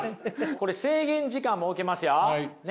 これ制限時間設けますよ。